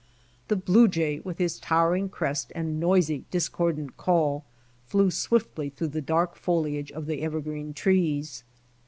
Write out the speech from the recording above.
The blue jay, with his towering crest and noisy discordant call, flew swiftly through the dark foliage of the evergreen trees.